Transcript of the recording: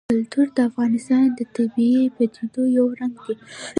کلتور د افغانستان د طبیعي پدیدو یو رنګ دی.